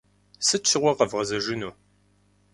Сыт щыгъуэ къэвгъэзэжыну?